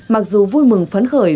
mặc dù vui mừng phấn khẩn